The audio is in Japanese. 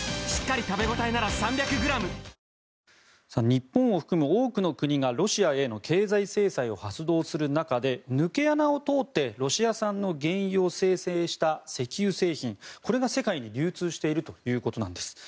日本を含む多くの国がロシアへの経済制裁を発動する中で抜け穴を通ってロシア産の原油を精製した石油製品、これが世界に流通しているということなんです。